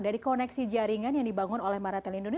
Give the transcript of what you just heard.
dari koneksi jaringan yang dibangun oleh maratel indonesia